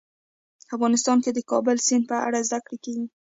افغانستان کې د کابل سیند په اړه زده کړه کېږي.